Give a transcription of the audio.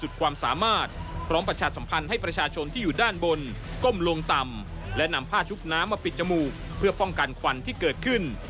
และนำผ้าชุบน้ำมาปิดจมูกเพื่อป้องกันขวัญที่เกิดขึ้น